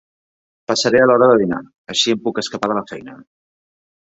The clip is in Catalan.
Passaré a l'hora de dinar, així em puc escapar de la feina.